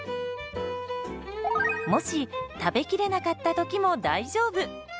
もし食べきれなかった時も大丈夫。